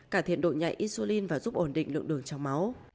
cải thiện độ nhạy isulin và giúp ổn định lượng đường trong máu